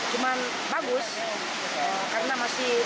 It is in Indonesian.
cuman bagus karena masih